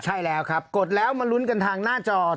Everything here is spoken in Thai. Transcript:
ใช่แล้วครับกดแล้วมาลุ้นกันทางหน้าจอ